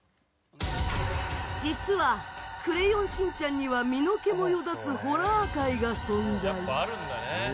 実は「クレヨンしんちゃん」には身の毛もよだつホラー回が存在。